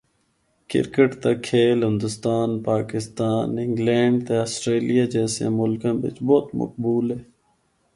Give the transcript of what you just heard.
کرکٹ دا کھیل ہندوستان، پاکستان، انگلینڈ تے آسٹریلیا جیسیاں ملکاں بچ بہت مقبول اے۔